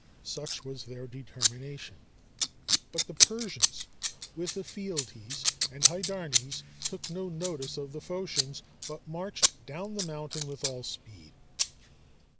Such was their determination. But the Persians, with Ephialtes and Hydarnes, took no notice of the Phocians but marched down the mountain with all speed.